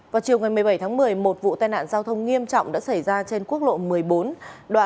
vào chiều ngày một mươi bảy tháng một mươi một vụ tai nạn giao thông nghiêm trọng đã xảy ra trên quốc lộ một mươi bốn đoạn